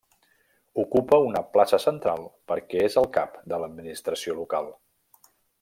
Ocupa una plaça central perquè és el cap de l'administració local.